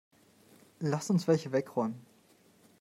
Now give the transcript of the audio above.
Lass uns welche wegräumen.